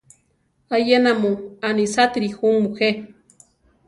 Ayena mu anisátiri ju mujé.